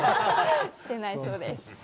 してないそうです。